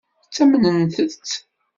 Ttamnent-tt.